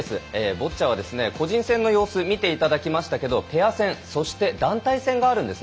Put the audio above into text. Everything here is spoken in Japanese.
ボッチャは個人戦の様子見ていただきましたけどペア戦そして団体戦があるんです。